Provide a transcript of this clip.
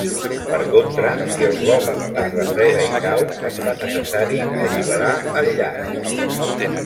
Per contra, si el globus es refreda i cau, es fa necessari alliberar el llast.